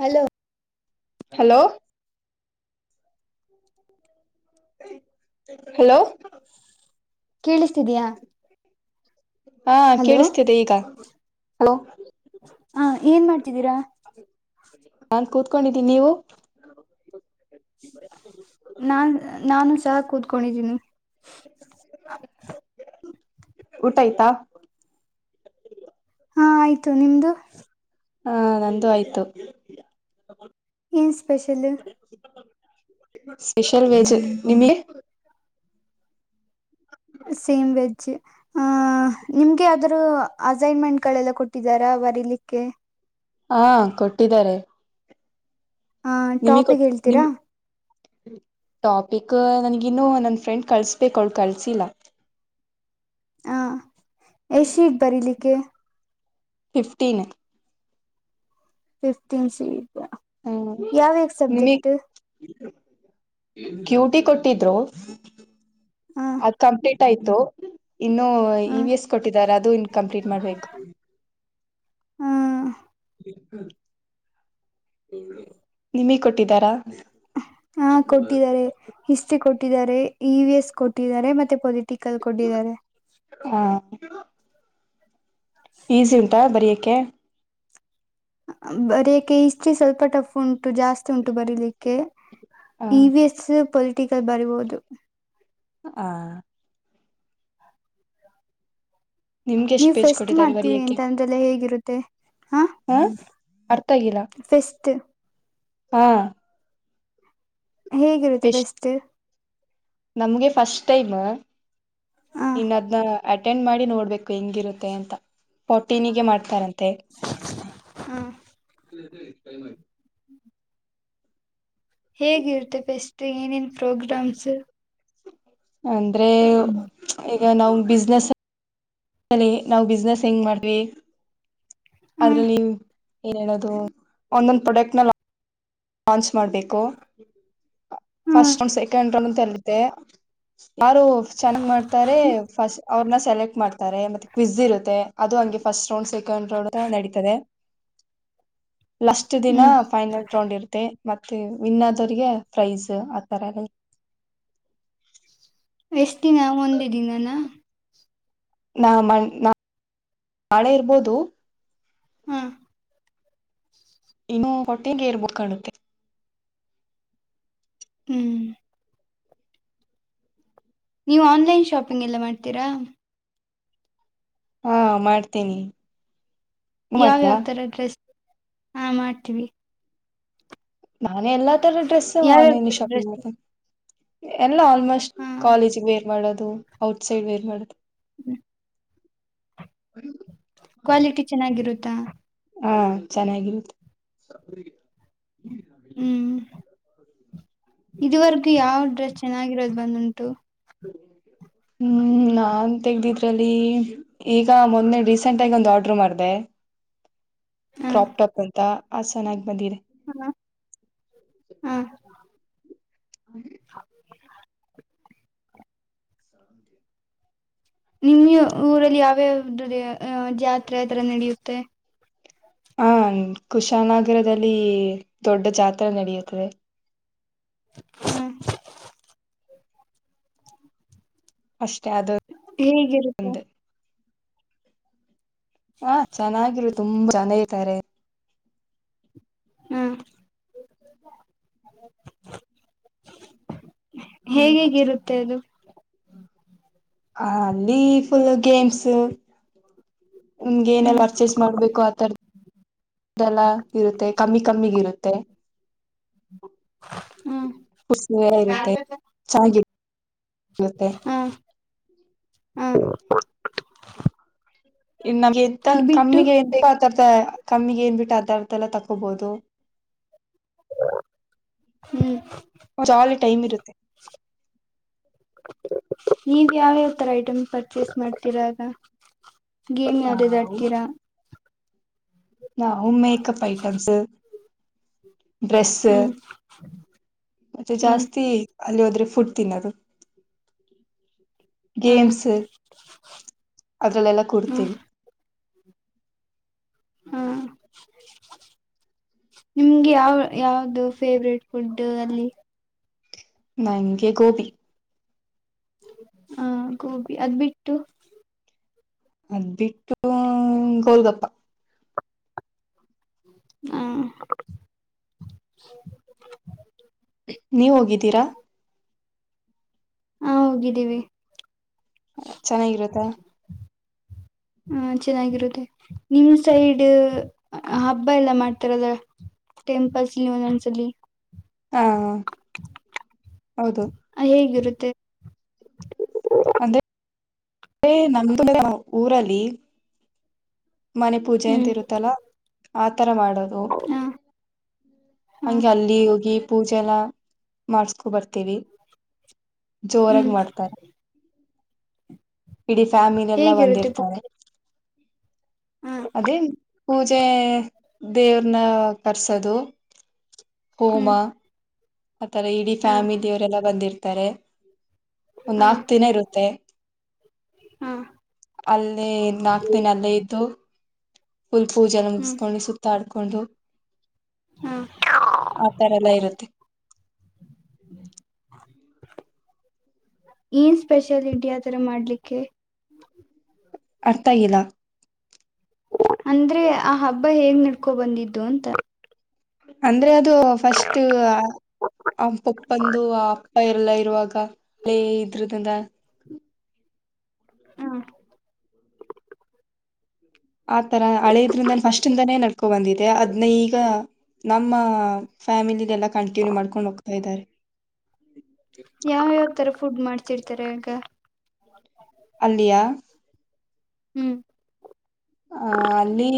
Hello hello hello ಕೇಳಿಸ್ತಿದಿಯ ಹಾ ಕೇಳಿಸ್ತಿದೆ ಈಗಾ ಹಲೋ. ಹ ಏನ್ ಮಾಡ್ತಿದ್ದೀರಾ [inaudible] ಕೂತ್ಕೊಂಡಿದಿನಿ ನೀವು. ನಾನ್ ನಾನು ಸಹ ಕೂತ್ಕೊಂಡಿದ್ದೀನಿ ಊಟ ಆಯ್ತಾ. ಹಾ ಆಯ್ತು ನಿಮ್ದು. ಹಾ ನಂದು ಆಯ್ತು. ಎನ್ ಸ್ಪೆಷಲು ಸ್ಪೆಷಲ್ ವೆಜ್ ನಿಮಗೆ ಸೇಮ್ವೆಜ್ ಹ ನಿಮ್ಗೆ ಯಾವ್ ದ್ರೂ ಅಸೈನ್ಮೆಂಟ್ಗಳೆಲ್ಲ ಕೊಟ್ಟಿದ್ದಾರ ಬರಿಲಿಕ್ಕೆ ಹಾ ಕೊಟ್ಟಿದ್ದಾರೆ. ಆ ನಿಮ ಕೋ ಟಾಪಿಕ್ ನಿಮ್ ಹೇಳ್ತೀರಾ ಟಾಪಿಕ್. ಕಾ ನನಗ ಇನ್ನು ನನ್ ಫ್ರೆಂಡ್ ಕಳ್ಸ್ಬೇಕ ಅವಳು ಕಳ್ಸಿಲ್ಲ ಹಾ. ಏ ಶೀಟ್ ಬರಿಲಿಕ್ಕೆ ಫಿಫ್ಟೀನ್. ಫೀಫ್ಟೀನ್ ಸಿ ಹ್ಮ ಯಾವಯಾವ್ ನಿಮಗ್ ಸಬ್ಜೆಕ್ಟ್. ಕ್ಯೂಟಿ ಕೊಟ್ಟಿದ್ರು. ಹ ಅದು ಕಂಪ್ಲೀಟ್ ಟ ಆಯ್ತು ಇನ್ನು ಹ ಇ ವಿ ಎಸ್ ಕೊಟ್ಟಿದ್ದಾರೆ ಅದು ಇನ್ ಕಂಪ್ಲೀಟ್ ಮಾಡ್ಬೇಕು. ಹ್ಮ ನಿಮೀಗ್ ಕೊಟ್ಟಿದ್ದಾರಾ ಹಾ ಕೊಟ್ಟಿದ್ದಾರೆ ಇಷ್ಟೇ ಕೊಟ್ ಕೊಟ್ಟಿದ್ದಾರೆ ಇ ವಿ ಎಸ್ ಕೊಟ್ಟಿದ್ದಾರೆ ಮತ್ತೆ ಪಲಿ ತಿಕಲ್ ಕೊಟ್ಟಿದ್ದಾರೆ. ಹ ಈಸಿ ಉಂಟಾ ಬರಿಯಕ ಕ್ಕೆ ಬರಿಯಕ್ಕೆ ಇಷ್ಟಿ ಸ್ವಲ್ಪ ಟಫ್ ಉಂಟು ಜಾಸ್ತಿ ಉಂಟು ಬರೀಲಿಕ್ಕೆ ಹ E V S political ಬರೀಬೋದು ಹ ನಿಮ್ಗೆ ಎಷ್ಟ್ ನೀವ್ ಪೇಜ್ ಫೆಸ್ಟ್ ಕೊಟ್ಟಿದ್ದಾರೆ ಮಾಡ್ತೀವಿ ಬರಿಯಕ್ಕೆ ಅಂತ ಅಂದ್ರಲ್ಲ ಹೇಗಿರುತ್ತ ಮತ್ತು ಹಾ ಅರ್ಥ ಆಗಿಲ್ಲ ಫೆಸ್ಟ್ ಹಾ ಹೇಗಿರುತ್ತೆ ಪೆಸ್ಟ್ ಬೆಸ್ಟ್ ನಮ್ಗೆ ಫಸ್ಟ್ ಟೈಮ್ ಹ ಇನ್ನದ್ನ ಅಟೆಂಡ್ ಮಾಡಿ ನೋಡ್ಬೇಕು ಹೆಂಗಿರುತ್ತೆ ಅಂತ ಪೊಟ್ಟಿನಿಗೆ ಮಾಡ್ತಾರಂತ ಂತೆ ಹಾ ಟೈಂ ಅಯ್ತು ಹೇಗಿರ್ತೆ ಪೆಸ್ ಮತ್ತು ಏನೇನು ಪ್ರೋಗ್ರಾಮ್ಸ್ ಹ ರೆ ನ ಅವ್ ಬಿಸ್ನೆಸ್ ಲ್ಲಿ ನಾವು್ ಬಿಸ್ನೆಸ್ ಹೆಂಗ್ ಮಾಡ್ವಿ ಹ್ಮ್ ಅದ್ರಲ್ಲಿ ಏನ್ ಹೇಳದು ಒಂದೊಂದು್ ಪ್ರೊಡಕ್ಟ್ ನ ಲಾಂಚ್ ಮಾಡ್ಬೇಕು ಹ್ಮ್ ಫಸ್ಟ್ ರೌಂಡ್ ಸೆಕೆಂಡ್ ತಾಂತತೆ ಅಂತೆ ಯಾರು ಚೆನ್ನಾಗ್ ಮಾಡ್ತಾರೆ ಫಸ್ಟ್ ಅವ್ರನ್ನ ಸೆಲೆಕ್ಟ್ ಮಾಡ್ತಾರೆ ಮತ್ತೆ ಕ್ವಿಜ್ ಇರುತ್ತೆ ಅದು ಹಂಗೆ ಫಸ್ಟ್ ರೌಂಡ್ ಸೆಕೆಂಡ್ ರೌಂಡ್ ನಡೀತದೆ ಲಷ್ಟಟ್ ದಿನ ಹ್ಮ್ ಫೈನಲ್ ರೌಂಡ್ ಇರ್ತ್ತೆ ಮತ್ತೆ ವಿನ್ನಾದವರಿಗೆ ಪ್ರೈಸ್ ಆತರ ಎ ಎಷ್ಟ ದಿನ ಒಂದೇ ದಿನಾನ ನಾಾ ನಾಳೆ ಇರ್ಬೋದು ಹ ಇನ್ನುಫೋಟಿಗೆ ಇರಬೇಕು ಕಾಣುತ್ತೆ ಹ್ಮ್ ನೀವು ಆನ್ಲೈನ್ ಶಾಪಿಂಗ್ ಎಲ್ಲ ಮಾಡ್ತೀರಾ ಹಾ ಮಾಡ್ತೇನಿ ಯಾವ ಯಾವ ತರ ಡ್ರೆಸ್ ಹಾ ಮಾಡ್ತೀವಿ ನಾನೇ ಎಲ್ಲಾ ತರ ಡ್ರೆಸ್ಸ ಯಾವ್ಯಾವ ಆನ್ಲೈನ್ ತರ ಶಾಪಿಂಗ್ ಡ್ರೆಸ್ ಮಾತ್ತ ಎಲ್ಲ ಆಲ್ಮೋಸ್ಟ್ ಹಾ ಕಾಲೇಜ್ ಬೇರ್ ಮಾಡೋದು ಔಟ್ಸೈಡ್ ಬೇರ್ ಮಾಡೋದು ಹ್ಮ ಕ್ವಾಲಿಟಿ ಚೆನ್ನಾಗಿರುತ್ತೆ ಊಾ ಹಾ ಚೆನ್ನಾಗಿರು ಹ್ಮ್ ಹ್ಮ ಇದುವರೆಕ ಯಾವ ಡ್ರೆಸ್ ಚೆನ್ನಾಗಿರೋದು ಬಂದಂತೂ ಹ್ಮ್ ನಾನ್ ತಗ್ದಿದ್ರಲ್ಲಿ ಈಗ ಮೊನ್ನೆ ರೀಸೆಂಟ್ ಆಗಿ ಆರ್ಡರ್ ಒಂದ್ ಮಾಡ್ದೆ ಕ್ರಾಪ್ಟಪ್ ಅಂತ ಅ ಚೆನ್ನಾಗಿ ಬಂದೀಿರಿ ಹ್ಮ ಹ್ಮ್ ಹೌ ನಿಮ್ಮ ಊರಲ್ಲಿ ಯಾವ್ಯ ಯಾವ್ದ ಜಾತ್ರೆ ಯ ತರ ನಡೆಯುತ್ತೆ ಹ ಕುಶನಗರದಲ್ಲಿ ದೊಡ್ಡ ಜಾತ್ರೆಾ ನಡೆಯುತ್ತದೆ ಹ್ಮ್ ಅಷ್ಟೇ ಹೇಗಿರುತ್ತೆ ಅದೊಂದು ಹಾ ಚೆನ್ನಾಗಿರು ತುಂಬಾ ಚೆನ್ನ ಇದ್ದಾರೆ ಹಾ್ ಹೇಗೆ ಮತ್ತೆ ಹೇಗಿರುತ್ತೆ ಅದು ಹ ಅಲ್ಲಿ ಫುಲ್ ಗೇಮ್ಸ್ ನಿಮ್ಗೆ ಏನೆಲ್ಲ ಹ್ಮ್ ಪರ್ಚೇಸ್ ಮಾಡ್ಬೇಕು ಆತರದ್ ಅದೆಲ್ಲ ಇರುತ್ತೆ ಕಮ್ಮಿ ಕಮ್ಮಿಗ ಇರುತ್ತೆ ತೆ ಹ್ಮ್ ಓಸ್ ನೆರೆ ಇರುತ್ತೆ ಚಾರ್ಜ್ ಹಾ ಹ್ಮ್ ಇ ನಮ್ ಎಂತ ಕಮ್ಮಿ ಎಂತತ ಕಮ್ಮಿಗೆ ಏನ್ ಬಿಟ್ಟ ಆತ ತಲೇ ತಕೋಬೋದು ಹ್ಮ್ ಚಾಲೆ ಟೈಮ್ ಇರುತ್ತೆ ನೀವ ಯಾವ ಯಾವಥರ ಐಟಮ್ ಪರ್ಚೇಸ್ ಮಾಡ್ತೀರಾಗ ಏನ್ ನಾವು ಯಾವ್ದದುಾಡ್ತೀರಾ ನ ಮಕ್ಪ್ ಐಟಮಸ್ ಡ್ರೆಸ್ ಹ್ಮ್ ಮತ್ತೆ ಹ್ಮ್ ಜಾಸ್ತಿ ಅಲ್ಲಿ ಹೋದ್ರೆ ಫುಡ್ ತಿನ್ನೋದು ಹ ಗೇಮ್ಸ್ ಅದ್ರಲ್ಲೆಲ್ಲ ಹ ಕೊಡ್ತೇವಿ ಹಾ ನಿಮ್ಗೆ ಯಾವ್ ಯಾವ್ದು ಫೇವ್ರೇಟ್ ಫುಡ್ ಅಲ್ಲಿ ನಂಗೆ ಗೋಪಿ ಹಾ ಗೋಬಿ ಅದ್ ಬಿಟ್ಟು ಅದ್ಬಟ್ಟು ಗೋಲ್ಗಪ್ಪ ಹ್ಮ ನೀವ್ ಹೋಗಿದ್ದೀರಾ ಹ ಹೋಗಿದ್ದೀವಿ ಚೆನ್ನಾಗಿರುತ್ತ ಹ ಚೆನ್ನಾಗಿರುತ್ತೆ ನಿಮ್ ಸೈಡ್ ಹಬ್ಬ ಎಲ್ಲ ಮಾಡ್ತಾರದ ಟೆಂಪಲ್ಸ್ಲ್ಲಿ ಒಂದೊಂದ್ಸಲಿ ಆ ಆ ಹ ಹೇಗಿರುತ್ ತ್ ಲೆ ನಮ್ ಊರಲ್ಲಿ ಮನೆ ಪೂಜೆ ಅಂತ್ ಹ್ಮ್ ಇರುತ್ತಲ್ಲ ತರ ಮಾಡೋದು ಹ ಹ ಹಂಗೆ ಅಲ್ಲಿ ಹೋಗಿ ಪೂಜೆ ಮತ್ತೆ ಎಲ್ಲಾ ಮಾಡಸ್ಕೊ ಬರ್ತೀವಿ ಜೋರಾಗಿ ಹ್ಮ್ ಮಾಡ್ತಾರೆ ಇಡೀ ಫ್ಯಾಮಿಲಿ ಎಲ್ಲಾ ಹೇಗಿರುತ್ತೆ ಬಂದಿರ್ತಾರೆ ಪೂಜೆ ಹ ಅದೇ ಪೂಜೆ ದೇವ್ರನ ಕರ್ಸೋದು ಹೋಮ ಹ್ಮ್ ಆ ತರ ಇಡೀ ಹ ಫ್ಯಾಮಿಲಿ ಅವರೆಲ್ಲ ಬಂದಿರ್ ತ್ತಾರೆ ಹ ಒಂದ್ ನಾಕ್ ದಿನ ಇರುತ್ತೆ ಹ ಅಲ್ಲಿ ನಾಕ್ ದಿನ ಅಲ್ಲೇ ಇದ್ದು ಫುಲ್ ಪೂಜೆನ ಹ್ಮ್ ಮುಗಿಸ್ಕೊಂಡು ಸುತ್ತಾಡ್ ಕೊಂಡು ಹ ಆತರ ಎಲ್ಲ ಇರುತ್ತೆ ಏನ್ ಸ್ಪೆಷಾಲಿಟಿ ಆ ಥರ ಮಾಡ್ಲಿಕ್ಕೆ ಅರ್ಥ ಇಲ್ಲ ಅಂದ್ರೆ ಆ ಹಬ್ಬ ಹೇಗ್ ನಡ್ಕೊ ಬಂದಿದ್ದು ಅಂತ. ಅಂದ್ರೆ ಅದು ಫಸ್ಟ್ ಆ ಪಪ್ಪಂದು ಆ ಅಪ್ಪ ಎಲ್ಲ ಇರುವಾಗ ಹಳೇ ಇದ್ರದಿಂದ. ಹಾ. ಆತರ ಹಳೇದ್ರಿಂದ ಫಸ್ಟ್ಿಂದಾನೇ ನಡ್ಕೋ ಬಂದಿದೆ ಅದ್ನ್ನ ಈಗ ನಮ್ಮ ಫ್ಯಾಮಿಲಿ ಎಲ್ಲ ಕಂಟಿನ್ಯೂ ಮಾಡ್ಕೊಂಡ್ ಹೋಗ್ತಾ ಇದಾರೆ. ಯಾವ ಯಾವ. ತರ ಫುಡ್ ಮಾಡ್ತಿರ್ತಾರೆ ಅಕ್ಕ. ಅಲ್ಲಿಯ. ಹ್ಮ್. ಅ ಅಲ್ಲಿ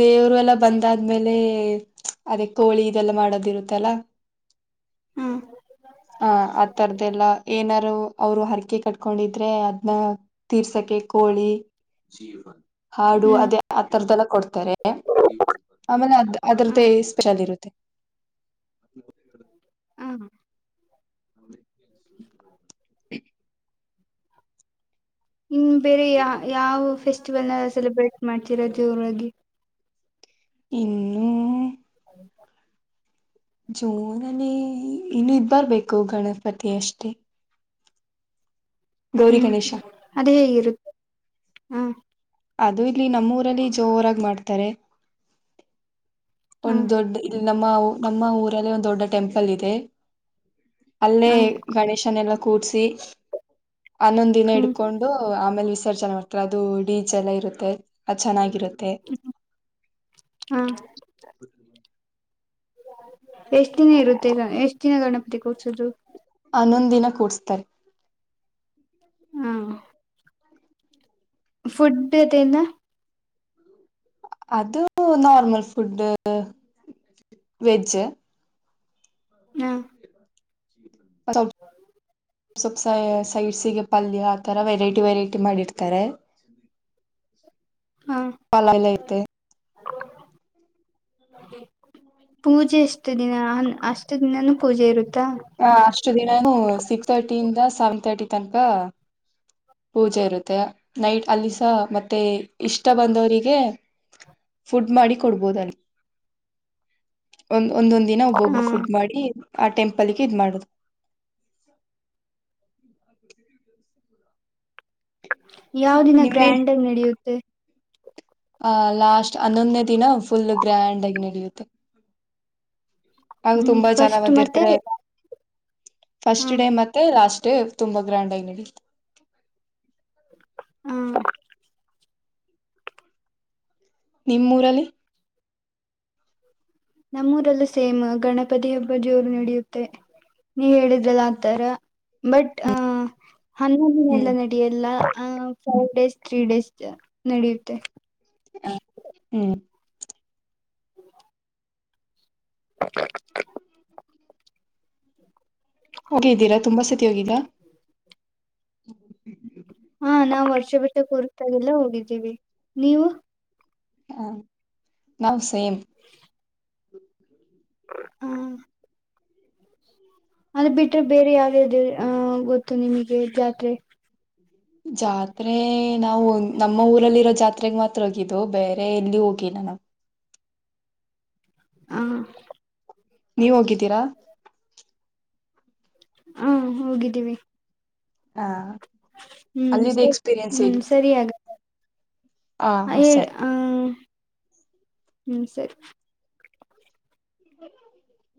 ದೇವರು ಎಲ್ಲ ಬಂದಾದ್ಮೇಲೆ. ಅದೇ ಕೋಳಿ ಇದೆಲ್ಲ ಮಾಡೋದು ಇರುತ್ತಲ್ಲ ಹ್ಮ್ ಹ ಆಥರದ್ದಲ್ಲ ಏನಾರು ಅವರು ಆರ್. ಅರಿಕೆ ಕಟ್ಕೊಂಡಿದ್ರೆ ಅದ್ನ ತೀರ್ಸಕ ಕೋಳಿ. ಹಾಡು ಹ್ಮ್ ಅದೇ ಆಥರದ್ದಲ್ಲ ಕೊಡ್ತಾರೆ ಆಮೇಲೆ ಅದ ಹ ಅದ್ರದ್ದ ಸ್ಪೆಷಲ್ ಇರುತ್ತೆ. ಮ. ಮ್. ಹರಿ. ಹ್ ಇನ್ನು ಬೇರೆ ಯ ಯಾವ ಫೆಸ್ಟ್. ಸ್ಿವಲ್ ನ ಸೆಲೆಬ್ರೇಟ್ ಮಾಡ್ತಿರೋ ಜೋರಾಗಿ. ಇನ್ನುೂ. ಹ್ ಜೂನನೇ ಇನ್ನು ಇದ ಬರ್ಬೇಕು ಗಣಪತಿ ಅಷ್ಟೇ. ಗೌರಿ ಹ್ಮ್ ಗಣೇಶ ಅದೆ ಹೇಗಿರುತ್ತೆ. ಹ್ಮ್. ಅದು ಇಲ್ಲಿ ನಮ್ಮೂರಲ್ಲಿ ಜೋರಾಗ ಮಾಡ್ತಾರೆ. ಹ ಒಂದ್ ದೊಡ್ಡ ಇಲ್ಲಿ ನಮ್ಮ ಮಾವು. ನಮ್ಮ ಊರಲ್ಲಿ ಒಂದ ದೊಡ್ಡ ಟೆಂಪಲ್ ಇದೆ. ಅಲ್ಲೇ ಹ ಗಣೇಶನೆ ಎಲ್ಲ. ಕುೂಡ್ಸಿ. ಅನ್ನೊಂದ್ ದಿನ ಹ್ಮ್ ಇಡ್ಕೊಂಡು ಆಮೇಲೆಿಸ್. ಚರ್ಚೆಲ್ ಮಾಡ್ತಾರೆ ಅದು ಡಿಚ್ ಎಲ್ಲ ಇರುತ್ತೆ ಅದು ಚೆನ್ನಾಗಿರುತ್ತೆ. ್ಮ ಹಾ. ಎಷ್ಟ ದಿನ ಇರುತ್ತೆ ಇಗ ಎಷ್ಟ್ ದಿನ ಗಣಪತಿ ಕೂರ್ಸೋದು. ಅನ್ನೊಂದಿನ ಕೂರುತ್ತಾರೆ. ಹ್ಮ. ಫುಡ್ ದೇನ. ಅದು ನೋರ್ಮಲ್ ಫುಡ್ ವೆಜ್. ಹಾ. ಅತ್ತ. ಸೋಲ್ಪ್ ಸೈಡ್ ಸೈಡ್ಸಿಗೆ ಪಲ್ಯ ಆತರ ವೆರೈಟಿ ವೆರೈಟಿ ಮಾಡಿರ್ತಾರೆ ಹ ಪಾಲಾ ಇಲ್ಲೆ ಐತೆ ಪೂಜೆ ಎಷ್ಟ ದಿನ ಅಷ್ಟ ದಿನಾನೂ ಪೂಜೆ ಇರುತ್ತೆ ಹ ಅಷ್ಟು ದಿನ ಸಿಕ್ಸ್ ಥರ್ಟಿ ಇಂದ ಒನ್ ತರ್ಟಿ ತನಕ ಪೂಜೆ ಇರುತ್ತೆ ನೈಟ್ ಅಲ್ಲಿ ಸ ಮತ್ತೆ ಇಷ್ಟ ಬಂದವರಿಗೆ ಫುಡ್ ಮಾಡಿ ಕೊಡ್ಬೋದ ಅಲ್ಲಿ ಒಂದೊಂದ ದಿನ ಹ ಒಬ್ಬೊಬ್ರು ಫುಡ್ ಮಾಡಿ ಆ ಟೆಂಪ್ ಪಲಿಕೆ ಇದ ಮಾಡುದ್ ಯಾವ ದಿನ ನಿಮ್ಮೆ ಗ್ರ್ಯಾಂಡ್ ಆಗಿ ನಡೆಯುತ್ತೆ ಆ ಲಾಸ್ಟ್ ಹನ್ನೊಂದನೇ ದಿನ ಫುಲ್ ಗ್ರ್ಯಾಂಡ್ ಆಗಿ ನಡೆಯುತ್ತೆ ಹಂಗ್ ಹ್ಮ್ ತುಂಬಾ ಜನ ಫಸ್ಟ್ ಮತ್ತೆ ಬಂದಿರ್ತಾರೆ ಹ ಫಸ್ಟ್ ಡೇ ಮತ್ತೆ ಲಾಸ್ಟ್ [unintelligible] ತುಂಬಾ ಗ್ರ್ಯಾಂಡ್ ಆಗಿ ನಡಿಯುತ್ತೆ ಆ ನಿಮ್ ಊರಲ್ಲಿ ನಮೂರಲ್ಲೂ ಸೇಮ್ ಗಣಪತಿ ಹಬ್ಬ ಜೋರು ನಡೆಯುತ್ತೆ ನೀ ಹೇಳಿದ್ರಲ್ಲ ಆತರ ಬಟ್ ಆ ಹನ್ನೊಂದ್ ದಿನ ಎಲ್ಲಾ ಹ್ಮ್ ನಡಿಯಲ್ಲಾ ಆ ಫೋರ್ ಡೇಸ್ ತ್ರೀ ಡೇಸ್ ನಡೆಯುತ್ತೆ ಹ ಹ್ಮ್ ಹೋಗಿದ್ದೀರಾ ತುಂಬಾ ಸತಿ ಹೋಗಿದ್ದೀಯಾ [unintelligible] ಹಾ ನಾವು ವರ್ಷ ಬಿಟ್ಟ ಕೂರ್ತಾಗಲ್ಲ ಹೋಗಿದ್ದೀವಿ ನೀವು ಹಾ ನಾವ್ ಸೇಮ್ ಹ್ಮ್ ಅದು ಬಿಟ್ರೆ ಬೇರೆ ಯಾವ್ಯ್ದ ಆ ಗೊತ್ತು ನಿಮಗೆ ಜಾತ್ರೆ ಜಾತ್ರೆ ನಾವು ನಮ್ಮ ಊರಲ್ಲಿರೋ ಜಾತ್ರೆಗ್ ಮಾತ್ರ ಹೋಗಿದ್ದು ಬೇರೆ ಎಲ್ಲಿ ಹೋಗಿಲ್ಲ ನಾವ್ ಆ ನೀವ್ ಹೋಗಿದ್ದೀರಾ ಹಾ ಹೋಗಿದ್ದೀವಿ ಹಾ ಹ್ಮ್ ಸರಿ ಹ್ಮ್ ಸರಿಯ ಹೇಳ ಹ ಹು ಸರಿ ಹ [unintelligible]